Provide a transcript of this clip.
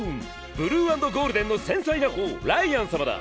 ブルー＆ゴールデンの繊細なほうライアン様だ！